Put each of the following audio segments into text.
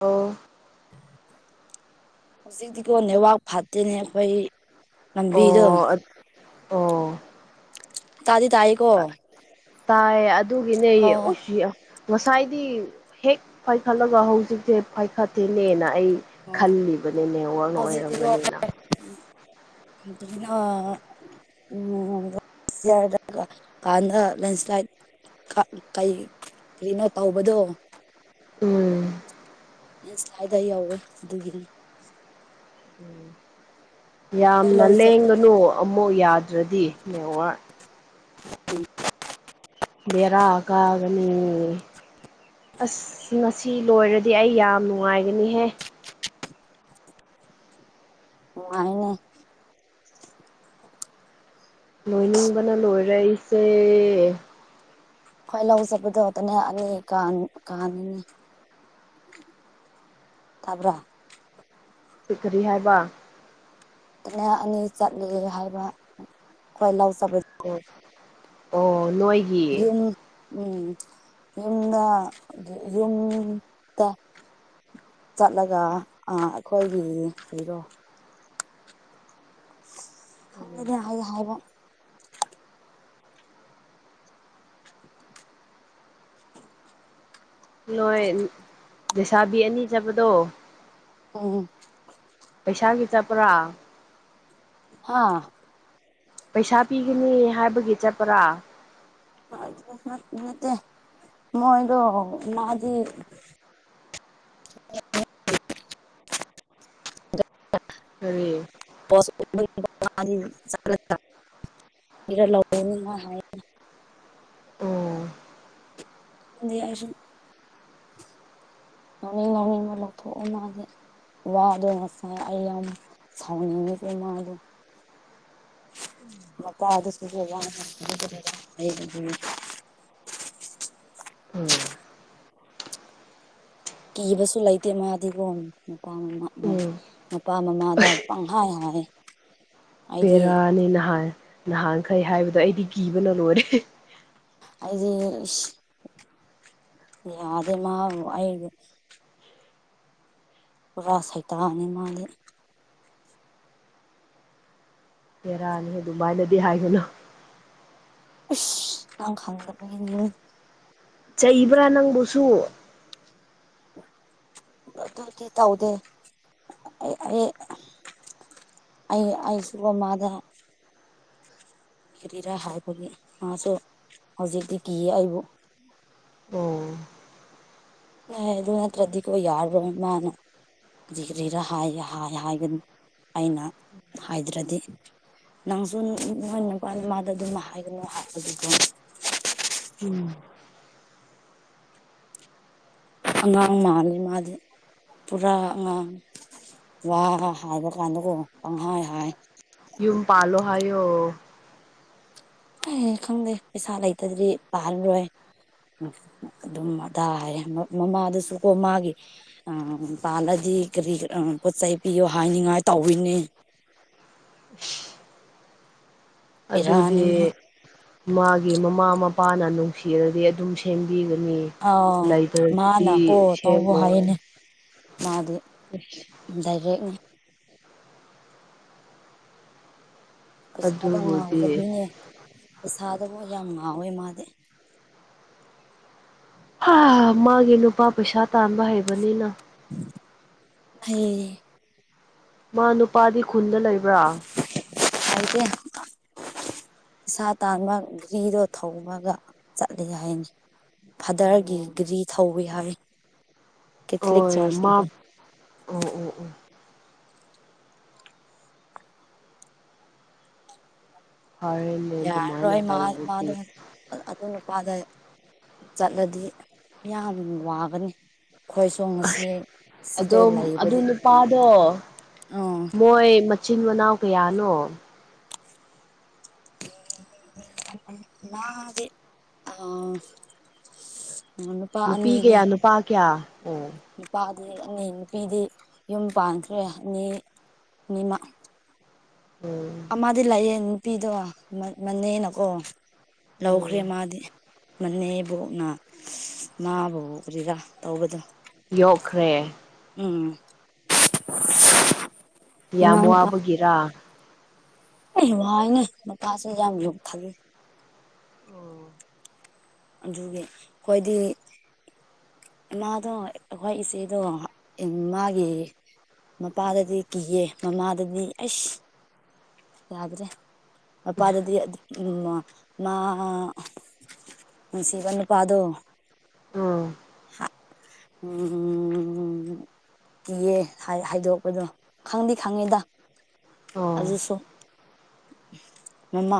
ꯑꯣ ꯍꯧꯖꯤꯛꯇꯤꯀꯣ ꯅꯦꯠ ꯋꯥꯛ ꯐꯠꯇꯦꯅꯦ ꯑꯩꯈꯣꯏ ꯑꯣ ꯂꯝꯕꯤꯗꯣ ꯑꯗꯨ ꯑꯣ ꯇꯥꯗꯤ ꯇꯥꯏ ꯀꯣ ꯇꯥꯏ ꯑꯗꯨꯒꯤꯅꯦ ꯎꯁ ꯌꯥ ꯉꯁꯥꯏꯗꯤ ꯍꯦꯛ ꯄꯥꯏꯈꯠꯂꯒ ꯍꯧꯖꯤꯛꯇꯦ ꯄꯥꯏꯈꯠꯇꯦꯅꯦꯅ ꯑꯩ ꯑꯣ ꯈꯜꯂꯤꯕꯅꯤꯅꯦ ꯋꯔꯟ ꯍꯧꯖꯤꯛꯇꯤꯀꯣ ꯑꯣꯏꯔꯝꯒꯅꯤꯅ [unintelligible] ꯎꯝ [unintelligible] ꯀꯥꯟꯗ ꯂ‌ꯦꯟꯁ ꯂꯥꯏꯠ ꯀꯩ ꯀꯩꯅꯣ ꯇꯧꯕꯗꯣ ꯎꯝ ꯅ ꯁ꯭ꯂꯥꯏꯗ ꯌꯧꯋꯦ ꯑꯗꯨꯒꯤꯅꯤ ꯎꯝ ꯑꯩꯈꯣꯏ ꯌꯥꯝꯅ ꯂꯧ ꯆꯠꯄ ꯂꯦꯡꯒꯅꯨ ꯑꯃꯨꯛ ꯌꯥꯗ꯭ꯔꯗꯤ ꯃꯦꯋꯥꯔ ꯎꯝ ꯕ‌ꯦꯔꯥꯑ ꯀꯥꯒꯅꯤ ꯑꯁ ꯉꯁꯤ ꯂꯣꯏꯔꯗꯤ ꯑꯩ ꯌꯥꯝ ꯅꯨꯡꯉꯥꯏꯒꯅꯤꯍꯦ ꯅꯨꯡꯉꯥꯏꯅꯦ ꯂꯣꯏꯅꯤꯡꯕꯅ ꯂꯣꯏꯔ‌ꯦ ꯑꯏꯁꯦ ꯍꯣꯏ ꯂꯧ ꯆꯠꯄꯗꯣꯇꯅꯦ ꯑꯅꯤ ꯀꯥꯅꯤꯡꯅꯦ ꯇꯕ꯭ꯔ ꯄꯤꯈꯔꯤ ꯍꯥꯏꯕ ꯀꯅ ꯑꯅꯤ ꯆꯠꯂꯦ ꯍꯥꯏꯕ ꯈ꯭ꯣꯏꯂꯥꯎ ꯖꯕ ꯑꯣ ꯑꯣ ꯅꯣꯏ ꯌꯨꯝ ꯎꯝ ꯌꯨꯝꯅ ꯌꯨꯝꯗ ꯆꯠꯂꯒ ꯑꯩꯈꯣꯏꯒꯤ ꯀꯔꯤꯔꫭ ꯍꯗ ꯍꯥꯏ ꯍꯥꯏꯕ ꯅꯣꯏ ꯂꯩꯁꯥꯕꯤ ꯑꯅꯤ ꯆꯕꯗꯣ ꯑꯣ ꯄꯩꯁꯥꯒꯤ ꯆꯠꯄ꯭ꯔꯥ ꯍꯥꯥ ꯄꯩꯁꯥ ꯄꯤꯒꯅꯤ ꯍꯥꯏꯕꯒꯤ ꯆꯠꯄꯔꯥ ꯅꯠꯇ‌ꯦ ꯃꯣꯏꯗꫭ ꯃꯥꯗꯤ ꯀꯔꯤ ꯆ [unintelligible] ꯑꯣ ꯈꯪꯗ‌ꯦ ꯑꯩꯁꯨꯂꯧꯅꯤꯡ ꯂꯧꯅꯤꯡꯕ ꯂꯧꯊꫭꯛꯑꫭ ꯃꯥꯗꯤ ꯋꯥꯗꯣ ꯉꯁꯥꯏ ꯑꯩ ꯌꯥꯝ ꯁꯥꯎꯅꯤꯡꯉꯤ ꯃꯥꯗꯣ ꯂꯀꯗꯤ ꯁ [unintelligible] ꯎꯝ ꯀꯤꯕꯁꯨ ꯂꯩꯇꯦ ꯃꯥꯗꯤꯒꯣꯝ ꯃꯄꯥꯅ ꯎꯝ ꯃꯄꯥ ꯃꯃꯥꯗ ꯄꯪꯍꯥꯏ ꯍꯥꯏ꯫ ꯑꯩꯗꯤ ꯕꯦꯔꯥꯅꯤ ꯅꯍꯥꯟ ꯅꯍꯥꯟꯈꯩ ꯍꯥꯏꯕꯗꯣ ꯑꯩꯗꯤ ꯀꯤꯕꯅ ꯂꯣꯏꯔꯦ꯫ ꯑꯩꯗꯤ ꯏꯁ ꯌꯥꯗꯦ ꯃꯥꯕꯨ ꯑꯩ ꯄꯨꯔꯥ ꯁꯩꯇꯥꯟ ꯅꯦ ꯃꯥꯗꯤ ꯍꯦꯔꯥꯅꯤ ꯑꯗꯨꯃꯥꯏꯅꯗꯤ ꯍꯥꯏꯒꯨꯅꯨ ꯏꯁ ꯅꯪ ꯈꯪꯗꯕꯩꯟ ꯆꯩꯕ꯭ꯔꯥ ꯅꯪꯕꯨꯁꯨ? ꯑꯗꯨꯗꯤ ꯇꯧꯗꯦ ꯑꯩ ꯑꯩ ꯑꯩ ꯑꯩꯁꯨꯒꯣ ꯃꯥꯗ ꯀꯔꯤꯔꯥ ꯍꯥꯏꯕꯒꯤ ꯃꯥꯁꯨ ꯍꯧꯖꯤꯛꯇꯤ ꯀꯤꯌꯦ ꯑꯩꯕꯨ꯫ ꯑꯣ ꯑꯦ ꯑꯗꯨ ꯅꯠꯇ꯭ꯔꯗꯤꯀꯣ ꯌꯥꯔꯣꯏ ꯃꯥꯅ꯫ ꯀꯔꯤ ꯀꯔꯤꯔ ꯍꯥꯏ ꯍꯥꯏ ꯍꯥꯏꯕ ꯑꯩꯅ ꯍꯥꯏꯗ꯭ꯔꯗꯤ ꯅꯪꯁꯨ ꯅꯣꯏ ꯅꯄꯥ ꯅꯃꯥꯗ ꯑꯗꯨꯝ ꯍꯥꯏꯒꯅꯣ ꯍꯥꯏꯕꯒꯤꯀꯣ ꯎꯝ ꯑꯉꯥꯡ ꯃꯥꯜꯂꯤ ꯃꯥꯗꯤ ꯄꯨꯔꯥ ꯑꯉꯥꯡꯅꯤ꯫ ꯋꯥ ꯍꯥꯏꯕ ꯀꯥꯟꯗꯀꯣ ꯄꯪꯍꯥꯏ ꯍꯥꯏ ꯌꯨꯝ ꯄꯥꯜꯂꯣ ꯍꯥꯌꯣ? ꯑꯩ ꯈꯪꯗꯦ ꯄꯩꯁꯥ ꯂꯩꯇ꯭ꯔꯗꯤ ꯄꯥꯜꯂꯔꯣꯏ꯫ ꯎ ꯑꯗꯨꯝ ꯑꯗꯥ ꯍꯥꯏꯔꯦ ꯃꯃꯥꯗꯁꯨꯀꯣ ꯃꯥꯒꯤ ꯑ ꯄꯥꯜꯂꯗꯤ ꯀꯔꯤ ꯄꯣꯠ ꯆꯩꯩ ꯄꯤꯌꯣ ꯍꯥꯏꯅꯤꯡꯉꯥꯏ ꯇꯧꯋꯤꯅꯦ꯫ ꯕꯦꯔꯥꯅꯤ ꯑꯗꯨꯗꯤ ꯃꯥ ꯃꯥꯒꯤ ꯃꯃꯥ ꯃꯄꯥꯅ ꯅꯨꯡꯁꯤꯔꯗꯤ ꯑꯗꯨꯝ ꯁꯦꯝꯕꯤꯒꯅꯤ꯫ ꯑ ꯃꯥꯅ ꯀꯣ ꯂꯩꯇ꯭ꯔꯗꯤ ꯇꯧ ꯁꯦꯝꯃꯣꯏ ꯍꯥꯏꯅꯦ ꯃꯥꯗꯤ ꯗꯥꯢꯔꯦꯛ ꯅꯦ꯫ ꯄꯩꯁꯥꯗ ꯑꯗꯨꯕꯨꯗꯤ ꯉꯥꯎꯖꯕꯤꯅꯦ ꯄꯩꯁꯥꯗꯕꯨ ꯌꯥꯝ ꯉꯥꯎꯋꯦ ꯃꯥꯗꯤ꯫ ꯍꯥ ꯃꯥꯒꯤ ꯅꯨꯄꯥ ꯄꯩꯁꯥ ꯇꯥꯟꯕ ꯍꯩꯕꯅꯤꯅ ꯍꯩ ꯃꯥ ꯅꯨꯄꯥꯗꯤ ꯈꯨꯟꯗ ꯂꯩꯕ꯭ꯔꯥ? ꯂꯩꯇꯦ ꯏꯁꯥ ꯇꯥꯟꯕ ꯘꯔꯤꯗꯣ ꯊꯧꯃꯒ ꯆꯠꯂꯤ ꯍꯥꯏꯅꯤ꯫ ꯐꯥꯗꯔꯒꯤ ꯒ꯭ꯔꯤ ꯊꯧꯋꯤ ꯍꯥꯏ ꯀꯦꯊꯂꯤꯛ ꯍꯣꯏ ꯃꯥ ꯆꯔꯆꯀꯤꯗ꯫ ꯑꯣ ꯑꯣ ꯑꯣ ꯐꯔꯦꯅꯦ ꯗꯨꯃꯥꯏꯅ ꯇꯧꯗꯤ꯫ ꯑ ꯑꯗꯨ ꯅꯨꯄꯥꯗ ꯆꯠꯂꯗꯤ ꯌꯥꯝ ꯋꯥꯒꯅꯤ꯫ ꯑꯩꯈꯣꯏꯁꯨ ꯉꯁꯤ ꯑꯁ ꯁꯤꯗ ꯑꯗꯣ ꯑꯗꯨ ꯂꯩꯕꯗꯤ ꯅꯨꯄꯥꯗꯣ ꯎꯝ ꯃꯣꯏ ꯃꯆꯤꯟ ꯃꯅꯥꯎ ꯀꯌꯥꯅꯣ? ꯃꯥꯗꯤ ꯑ ꯅꯨꯄꯤ ꯀꯌꯥ ꯅꯨꯄꯥ ꯀꯌꯥ ꯑꯣ ꯅꯨꯄꯥꯗꯤ ꯑꯅꯤ ꯅꯨꯄꯤꯗꯤ ꯌꯨꯝ ꯄꯥꯟꯈ꯭ꯔꯦ ꯑꯅꯤ ꯅꯤꯃ ꯎꯝ ꯑꯃꯥꯗꯤ ꯂꯩꯌꯦ ꯅꯨꯄꯤꯗꯣ ꯃ ꯃꯅꯦꯅꯀꯣ ꯎꯝ ꯂꯧꯈ꯭ꯔꯦ ꯃꯥꯗꯤ꯫ ꯃꯅꯦꯕꯨꯅ ꯃꯥꯕꯨ ꯀꯔꯤꯔꯥ ꯇꯧꯕꯗꯣ ꯌꯣꯛꯈ꯭ꯔꯦ ꯎꯝ ꯌꯥꯝ ꯃꯅꯥꯎꯅꯨꯄꯥ ꯋꯥꯕꯒꯤꯔꯥ? ꯑꯩ ꯋꯥꯏꯅꯦ ꯃꯄꯥꯁꯦ ꯌꯥꯝ ꯌꯣꯛ ꯊꯛ ꯑꯣ ꯑꯗꯨꯒꯤ ꯈꯣꯏꯗꯤ ꯏꯃꯥꯗꯣ ꯑꯩꯈꯣꯏ ꯏꯆꯦꯗꯣ ꯃꯥꯒꯤ ꯃꯄꯥꯗꯗꯤ ꯀꯤꯌꯦ ꯃꯃꯥꯗꯗꯤ ꯑꯩꯁ ꯌꯥ꯭ꯗꯔꯦ ꯄꯗꯗꯤ ꯃꯥ ꯁꯤꯕ ꯅꯨ ꯄꯥꯗꯣ [unintelligible] ꯎꯝ ꯀꯤꯌꯦ ꯍꯥꯏꯗꯣꯛꯄꯗꯣ ꯈꯪꯗꯤ ꯈꯪꯉꯦꯗ ꯑꯣ ꯑꯖꯤꯁꯨ ꯃꯃ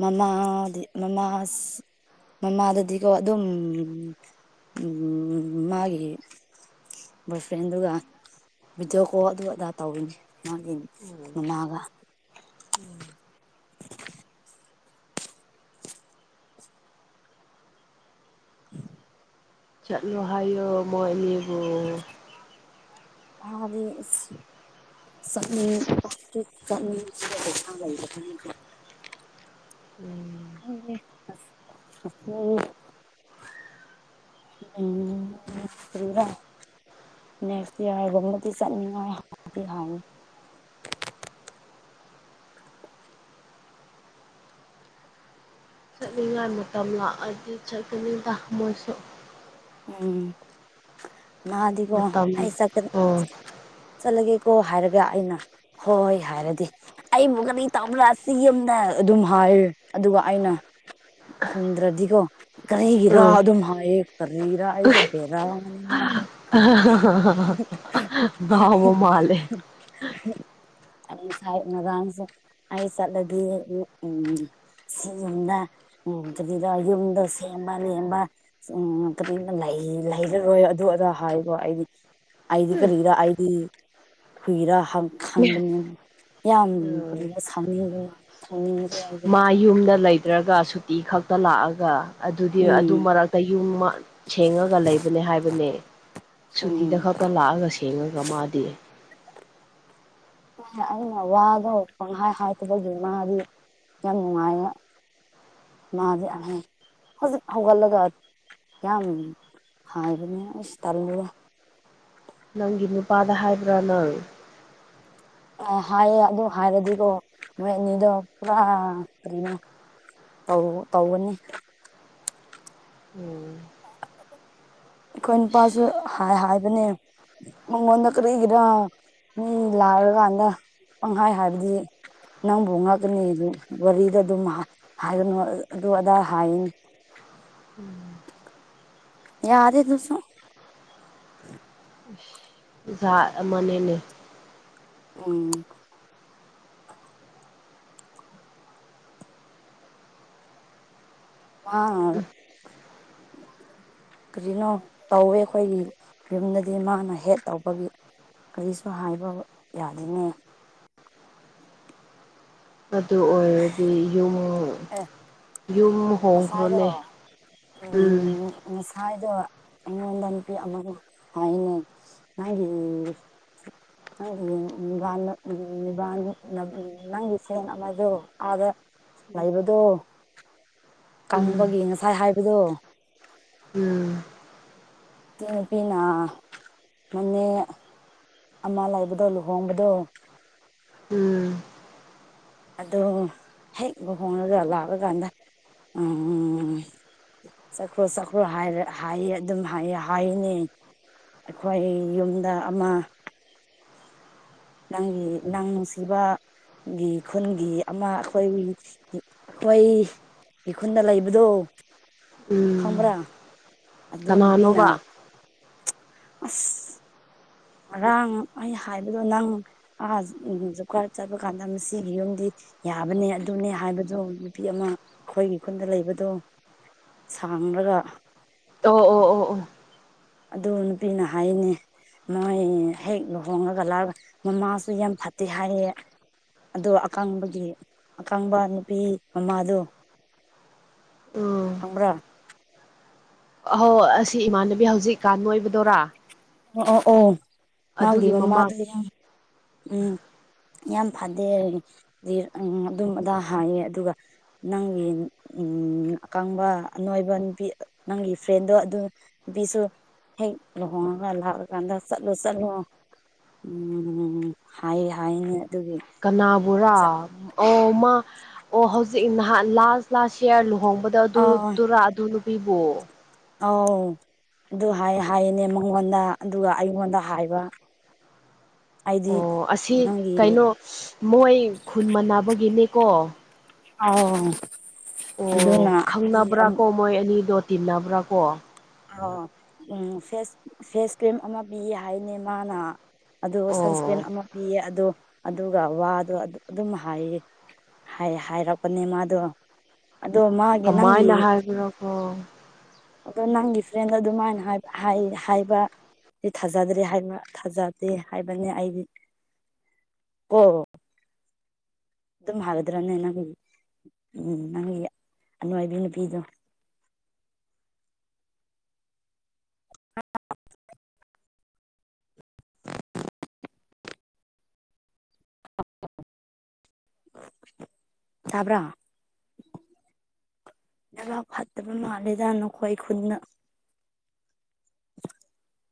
ꯃꯃꯗꯤ ꯃꯃ ꯃꯃꯥꯗꯗꯤꯀꯣ ꯑꯗꯨꯝ ꯎꯝ ꯃꯥꯒꯤ ꯁ ꯐꯦꯟꯗꯨꯒ ꯕꯤꯖꯑꯣ ꯀꯣ ꯑꯗꯨ ꯑꯗꯥ ꯇꯧꯅꯦ ꯃꯥꯒꯤ ꯃꯒ ꯎꯝ ꯆꯠꯂꯣ ꯍꯥꯏꯣ ꯃꯣꯏꯅꯦꯕꯨ ꯍꯥꯏꯗꯤ [unintelligible] ꯎꯝ [unintelligible] [unintelligible] ꯅꯦꯛ ꯌꯥꯔꯒꯨꯝꯕꯗꯤ ꯆꯠꯅꯤꯡꯉꯥꯏꯗꯤ ꯍꯥꯎꯉꯤ ꯆꯠꯂꯤꯉꯥꯏ ꯃꯇꯝ ꯂꯥꯛꯑꯗꯤ ꯆꯠꯀꯅꯤꯗ ꯃꯣꯏꯁꯨ ꯎꯝ ꯃꯥꯒꯣ ꯃꯇꯝ ꯑꯩꯁꯈ ꯑꯣ ꯆꯠꯂꯒꯦꯀꯣ ꯍꯥꯏꯔꯒ ꯑꯩꯅ ꯍꯣꯏ ꯍꯣꯏ ꯍꯥꯏꯔꯗꯤ ꯑꯩꯕꯨ ꯀꯔꯤ ꯇꯥꯎꯕ꯭ꯔꯛꯁꯤ ꯌꯨꯝꯗ ꯑꯗꯨꯝ ꯍꯥꯏ ꯑꯗꯨꯒ ꯑꯩꯅ ꯈꯨꯝꯗ꯭ꯔꯗꯤꯀꯣ ꯀꯔꯤꯒꯤ ꯔꯥ ꯎꯝ ꯑꯗꯨꯝ ꯍꯥꯏꯌꯦ ꯀꯔꯤ ꯔꯁꯨ ꯐꯦ ꯔꯥ ꯋꯥꯅꯤ ꯃꯥꯗ ꯃꯥꯂꯦ ꯑꯗꯨ ꯉꯁꯥꯏꯅꯔꯥꯡꯁꯦ ꯑꯩ ꯆꯠꯂꯗꯤ ꯎꯝ ꯁꯤ ꯌꯨꯝꯗ ꯎ ꯑꯗꯨꯗ ꯌꯨꯝꯗ ꯁꯦꯝꯕ ꯂꯕ ꯎꯝ ꯀꯅ ꯂꯩꯔꯔꯣꯏ ꯑꯗꯨ ꯑꯗꯥ ꯍꯥꯏꯀꯣ ꯑꯩꯗꯤ ꯑꯩꯗꯤ ꯀꯔꯤꯗ ꯑꯩꯗꯤ ꯀꯨꯏꯔ ꯈꯪꯕꯅꯤꯅ ꯌꯥꯝ ꯎꯝ ꯀꯨꯔ ꯁꯥꯡꯅꯤꯡ [unintelligible] ꯃꯥ ꯌꯨꯝꯗ ꯂꯩꯇ꯭ꯔꯒ ꯁꯨꯇꯤ ꯈꯛꯇ ꯂꯥꯛꯑꯒ ꯑꯗꯨꯗꯤ ꯑꯗꯨ ꯎꯝ ꯃꯔꯛꯇ ꯌꯨꯝ ꯁꯦꯡꯉꯒ ꯂꯩꯕꯅꯦ ꯍꯥꯏꯕꯅꯦ ꯎꯝ ꯁꯨꯇꯤꯗ ꯈꯛꯇ ꯂꯥꯛꯑꯒ ꯁꯦꯡꯉꯒ ꯃꯥꯗꯤ ꯑꯩꯅ ꯋꯥꯗ ꯄꯪꯍꯥꯏ ꯍꯥꯇꯕꯒꯤ ꯃꯥꯗꯤ ꯌꯥꯝ ꯅꯨꯡꯉꯥꯏꯌꯦ [unintelligible] ꯍꯧꯖꯤ ꯍꯧꯒꯂꯒ ꯌꯥꯝ ꯍꯥꯏꯕꯅꯦꯁ ꯇꯜꯂꯨꯕ ꯅꯪꯒꯤ ꯅꯨꯄꯥꯗ ꯍꯥꯏꯕ꯭ꯔꯥ ꯅꯪ ꯍꯥꯏꯌꯦ ꯑꯗꯨ ꯍꯥꯏꯔꯗꯤꯀꯣ ꯅꯣꯏ ꯑꯅꯤꯗꯣ ꯄꯨꯔꯥ ꯀꯔꯤꯅ ꯇꯧ ꯇꯧꯒꯅꯤ ꯎꯝ ꯑꯩꯈꯣꯏ ꯅꯨꯄꯥꯁꯨ ꯍꯥꯏꯕꯅꯦ ꯃꯉꯣꯟꯗ ꯀꯔꯤꯒꯤꯔ ꯃꯤ ꯂꯥꯛꯔꯀꯥꯟꯗ ꯄꯪꯍꯥꯏ ꯍꯥꯏꯔꯗꯤ ꯅꯪꯕꯨ ꯉꯛꯀꯅꯤ ꯑꯗꯨ ꯋꯥꯔꯤꯗ ꯑꯗꯨꯝ ꯍꯥꯏꯒꯅꯨ ꯑꯗꯨ ꯑꯗꯥ ꯍꯥꯏꯌꯦꯅꯤ ꯎꯝ ꯌꯥꯗ ꯑꯦ ꯇꯁꯨ [unintelligible] ꯖꯥꯠ ꯑꯃꯅꯤꯅꯦ ꯎꯝ ꯑ ꯀꯔꯤꯅꯣ ꯇꯧꯋꯦ ꯑꯩꯈꯣꯏꯒꯤ ꯌꯨꯝꯗꯗꯤ ꯃꯥꯅ ꯍꯦꯛ ꯇꯧꯕꯒꯤ ꯀꯔꯤꯁꯨ ꯍꯥꯏꯕ ꯌꯥꯗꯅꯦ ꯑꯗꯨ ꯑꯣꯏꯔꯗꯤ ꯌꯨꯝ ꯌꯨꯝ ꯃꯁꯥꯏꯔꯣ ꯍꯣꯡꯈ꯭ꯔꯣꯅꯦ ꯎꯝ ꯉꯁꯥꯏꯗꯣ ꯑꯩꯉꯣꯟꯗ ꯅꯨꯄꯤ ꯑꯃꯒ ꯍꯥꯏꯅꯩ ꯑ [unintelligible] ꯅꯤꯕꯥ ꯎꯅꯤꯕꯥ ꯅꯪꯁꯤꯦ ꯃꯗꯨ ꯑ ꯂꯩꯥꯏꯕꯗꯨ ꯎꯝ ꯀꯪꯕꯒꯤ ꯉꯁꯥꯏ ꯍꯥꯏꯕꯗꯣ ꯎꯝ ꯅꯨꯇ ꯅꯨꯄꯤꯅ ꯃꯅꯦ ꯑꯃ ꯂꯩꯕꯗꯣ ꯂꯨꯍꯣꯡꯕꯗꯣ ꯎꯝ ꯑꯗꯣ ꯍꯦꯛ ꯂꯨꯍꯣꯡꯉꯒ ꯂꯥꯛꯑꯀꯥꯟꯗ ꯎ ꯆꯈ꯭ꯔꯨ ꯆꯈ꯭ꯔꯨ ꯍꯥꯏꯔ ꯍꯥꯏꯌꯦ ꯑꯗꯨꯝ ꯍꯥꯏꯌꯦ ꯍꯥꯏꯅꯦ ꯑꯩꯈꯣꯏ ꯌꯨꯝꯗ ꯑꯃ ꯅꯪꯒꯤ ꯅꯥꯡ ꯅꯨꯡꯁꯤꯕ ꯒꯤ ꯈꯨꯟꯒꯤ ꯑꯃ ꯑꯩꯈꯣꯏ ꯑꯩꯈꯣꯏ ꯏꯈꯨꯟꯗ ꯂꯩꯕꯗꯣ ꯎꯝ ꯈ꯭ꯔ ꯑꯗꯨ ꯑꯗꯨꯅꯕꯤꯅ ꯀꯅꯥꯅꯣꯕ ꯑꯁ ꯉꯔꯥꯡ ꯑꯩ ꯍꯥꯏꯕꯗꯣ ꯅꯪ ꯑ ꯈꯔ ꯆꯠꯄ ꯀꯥꯟꯗ ꯃꯁꯤꯒꯤ ꯌꯨꯝꯗꯤ ꯌꯥꯕꯅꯦ ꯑꯗꯨꯅꯦ ꯍꯥꯏꯕꯗꯣ ꯅꯨꯄꯤ ꯑꯃ ꯑꯩꯈꯣꯏꯒꯤ ꯈꯨꯟꯗ ꯂꯩꯕꯗꯣ ꯁꯥꯡꯂꯒ ꯑꯣ ꯑꯣ ꯑꯣ ꯑꯣ ꯑꯗꯨ ꯅꯨꯄꯤꯅ ꯍꯥꯏꯌꯦꯅꯦ ꯃꯣꯏ ꯍꯦꯛ ꯂꯨꯍꯣꯡꯉꯒ ꯂꯥꯛꯒ ꯃꯃꯥꯁꯨ ꯌꯥꯝ ꯐꯠꯇꯦ ꯍꯥꯏꯌꯦ ꯑꯣ ꯑꯀꯥꯡꯕꯒꯤ ꯑꯀꯥꯡꯕ ꯅꯨꯄꯤ ꯃꯃꯥꯗꯣ ꯎꯝ ꯈꯪꯕꯔꯥ ꯑꯍꯣ ꯑꯁꯤ ꯏꯃꯥꯟꯅꯕꯤ ꯍꯧꯖꯤꯛꯀꯥꯟ ꯅꯣꯏꯕꯗꯨꯔꯥ ꯑꯣ ꯑꯣ ꯑꯣ ꯃꯥꯒꯤ ꯑꯗꯨꯒꯤ ꯃꯃꯥ ꯃꯃꯥꯗꯨꯅꯦ ꯌꯥꯢ ꯎꯝ ꯌꯥꯝ ꯐꯠꯇꯦ ꯑꯗꯨꯝ ꯑꯗꯥ ꯍꯥꯏꯌꯦ ꯑꯗꯨꯒ ꯅꯪꯒꯤ ꯎ ꯑꯀꯪꯕ ꯑꯅꯣꯏꯕ ꯅꯨꯄꯤ ꯅꯪꯒꯤ ꯐ꯭ꯔꯦꯟꯗꯣ ꯑꯗꯨ ꯕꯤ ꯍ ꯂꯍꯣ [inaudible] ꯂꯥꯛꯑꯀꯥꯟꯗ ꯆꯠꯂꯣ ꯆꯠꯂꯣ ꯎꯝꯝ ꯍꯥꯏ ꯍꯥꯏꯅꯦ ꯑꯗꯨꯒꯤ ꯀꯅꯥꯕꯨꯔꯥ ꯑꯣ ꯃꯥ ꯑꯣ ꯍꯧꯖꯤꯛ ꯅꯍꯥꯟ ꯂꯥꯁ ꯂꯥꯁ ꯏꯌꯥꯔ ꯂꯨꯍꯣꯡꯕꯗꯣ ꯑꯗꯨ ꯇꯨꯔ ꯑꯗꯨ ꯅꯨꯄꯤꯕꯨ ꯑꯥꯎ ꯑꯗꯨ ꯍꯥꯏ ꯍꯥꯏꯌꯦꯅꯦ ꯃꯉꯣꯟꯗ ꯑꯗꯨꯒ ꯑꯩꯉꯣꯟꯗ ꯍꯥꯏꯕ ꯑꯩꯗꯤ ꯑꯣ ꯑꯁꯤ ꯅꯪꯒꯤ ꯀꯩꯅꯣ ꯃꯣꯏ ꯈꯨꯟ ꯃꯅꯥꯕꯒꯤꯅꯦꯀꯣ ꯑꯥꯎ ꯑꯗꯨꯅ ꯑꯣ ꯍꯥꯏꯗꯤ ꯈꯪꯅꯕ꯭ꯔꯥ ꯀꯣ ꯃꯣꯏ ꯑꯅꯤꯗꯣ ꯇꯤꯟꯅꯕ꯭ꯔꯥ ꯀꯣ ꯑꯣ ꯎꯝ ꯐꯦꯁ ꯐꯦꯁ ꯀ꯭ꯔꯤꯝ ꯑꯃ ꯄꯤ ꯍꯥꯏꯅꯦ ꯃꯥꯅ ꯑꯗꯨ ꯁꯟꯁꯀ꯭ꯔꯤꯟ ꯑꯣ ꯑꯃ ꯄꯤꯌꯦ ꯑꯗꯣ ꯑꯗꯨꯒ ꯋꯥꯗꯣ ꯑꯗꯨꯝ ꯍꯥꯏꯌꯦ ꯍꯥꯏ ꯍꯥꯏꯔꯛꯄꯅꯦ ꯃꯥꯗꯣ ꯑꯗꯣ ꯃꯥ ꯀꯃꯥꯏꯅ ꯍꯥꯏꯕꯔꯥ ꯀꯣ ꯑꯗꯣ ꯅꯪꯒꯤ ꯐ꯭ꯔꯦꯟꯗ ꯑꯗꯨꯃꯥꯏꯅ ꯍꯥꯏꯕ ꯁꯤ ꯊꯥꯖꯗ꯭ꯔꯦ ꯍꯥꯏꯕ ꯊꯥꯖꯗꯦ ꯍꯥꯏꯕꯅꯤ ꯑꯩꯗꯤ ꯀꯣ ꯑꯗꯨꯝ ꯍꯥꯏꯒꯗ꯭ꯔꯅꯦ ꯅꯪꯒꯤ ꯎꯝ ꯅꯪꯒꯤ ꯑꯅꯣꯢꯕꯤ ꯅꯨꯄꯤꯗꯣ ꯑ [unintelligible] ꯇꯥꯕ꯭ꯔꯥ ꯅꯦꯠꯋꯥꯛ ꯐꯠꯇꯕ ꯃꯥꯜꯂꯦꯗ ꯅꯈꯣꯏ ꯈꯨꯟꯗ [unintelligible]